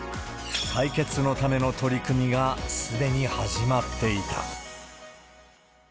解決のための取り組みがすでに始まっていた。